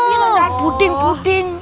iya kan buding buding